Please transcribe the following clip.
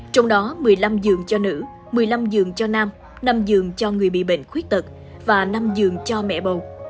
trong đó một mươi năm giường cho nữ một mươi năm giường cho nam năm giường cho người bị bệnh khuyết tật và năm giường cho mẹ bầu